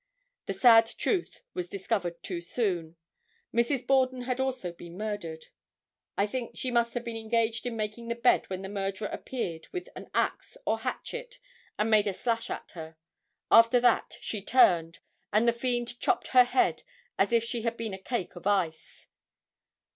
The sad truth was discovered too soon. Mrs. Borden had also been murdered. I think she must have been engaged in making the bed when the murderer appeared with an axe or hatchet and made a slash at her. After that she turned, and the fiend chopped her head as if it had been a cake of ice.